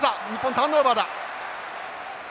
ターンオーバーだ。